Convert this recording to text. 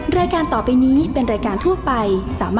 แล้วคุณล่ะโหลดหรือยัง